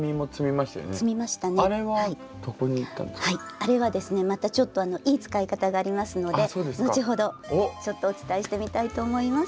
あれはですねまたちょっといい使い方がありますので後ほどお伝えしてみたいと思います。